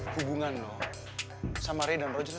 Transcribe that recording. hubungan sama redan rojok